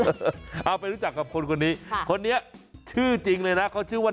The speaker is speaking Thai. เอาไปรู้จักกับคนคนนี้คนนี้ชื่อจริงเลยนะเขาชื่อว่า